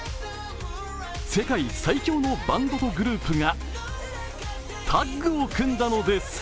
世界最強のバンドとグループがタッグを組んだのです。